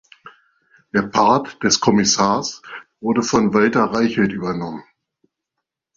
Der Part des "Kommissars" wurde von Walter Reichelt übernommen.